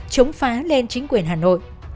chống phá lên chính quyền hà nội